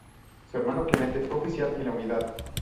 Su hermano Clemente fue oficial en la unidad.